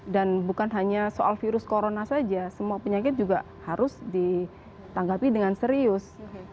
dan bukan hanya soal virus corona saja semua penyakit juga harus ditanggapi dengan serius